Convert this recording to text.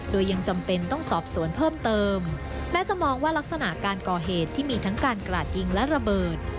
โดยยังจำเป็นต้องสอบสวนเพิ่มเติมแม้จะมองว่ารักษณะการก่อเหตุที่มีทั้งการกราดยิงและระเบิด